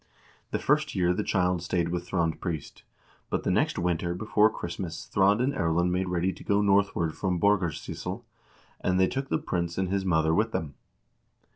The first year the child stayed with Thrond Priest ; but the next winter before Christmas Thrond and Erlend made ready to go northward from Borgarsyssel, and they took the prince and his mother with them.